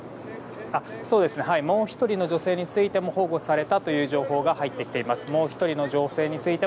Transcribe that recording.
もう１人の女性についても保護されたという情報が入ってきています。